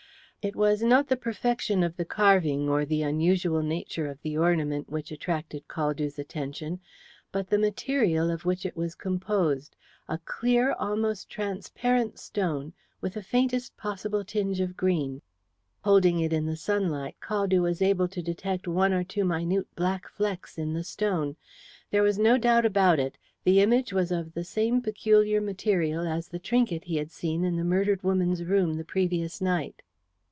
It was not the perfection of the carving or the unusual nature of the ornament which attracted Caldew's attention, but the material, of which it was composed, a clear almost transparent stone, with the faintest possible tinge of green. Holding it in the sunlight, Caldew was able to detect one or two minute black flecks in the stone. There was no doubt about it the image was of the same peculiar material as the trinket he had seen in the murdered woman's room the previous night.